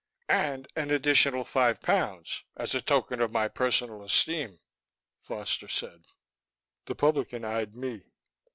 "And an additional five pounds as a token of my personal esteem," Foster said. The publican eyed me.